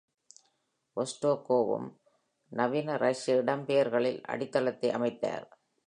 வோஸ்டோகோவும் நவீன ரஷ்ய இடம்பெயர்களியல் அடித்தளத்தை அமைத்தார்.